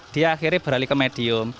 dia akhirnya beralih ke medium